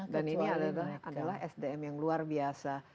dan ini adalah sdm yang luar biasa